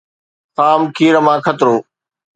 خام کير مان خطرو